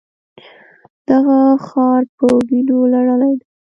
دغه ښار په وینو لړلی دی.